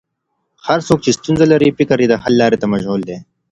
هر څوک چې ستونزه لري، فکر یې د حل لارې ته مشغول وي.